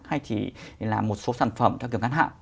hay chỉ là một số sản phẩm theo kiểu ngắn hạn